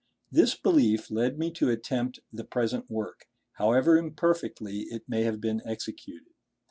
This belief led me to attempt the present work, however imperfectly it may have been executed.